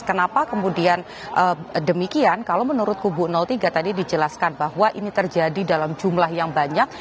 kenapa kemudian demikian kalau menurut kubu tiga tadi dijelaskan bahwa ini terjadi dalam jumlah yang banyak